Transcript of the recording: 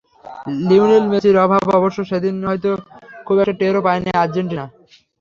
Lionel মেসির অভাব অবশ্য সেদিন হয়তো খুব একটা টেরও পায়নি আর্জেন্টিনা।